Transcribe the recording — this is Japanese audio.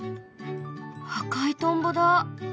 赤いトンボだ。